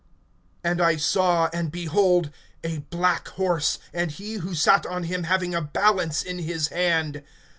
And I saw, and behold a black horse, and he who sat on him having a balance in his hand.